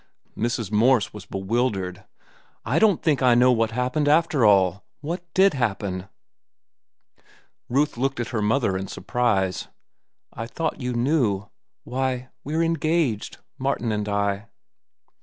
Mrs. Morse was bewildered. "I don't think I know what happened, after all. What did happen?" Ruth looked at her mother in surprise. "I thought you knew. Why, we're engaged, Martin and I."